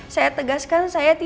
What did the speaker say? hanya gue gak udah nyangka banget sih